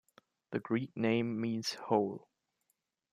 The Greek name means "whole".